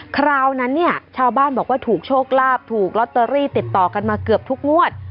คราวนั้นเนี่ยชาวบ้านบอกว่าถูกโชคลาภถูกลอตเตอรี่ติดต่อกันมาเกือบทุกงวด